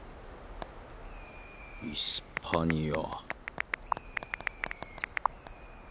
イスパニア。